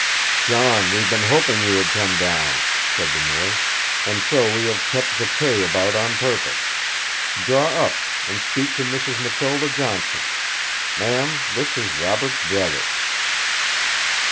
'John, we've been hoping you would come down,' said the miller, 'and so we have kept the tay about on purpose. Draw up, and speak to Mrs. Matilda Johnson. ... Ma'am, this is Robert's brother.'